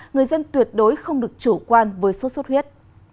người dân tuyệt đối không được chủ quan với sốt xuất huyết